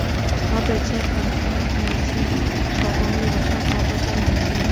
老北京很多民间手工艺的创造都跟满族有关。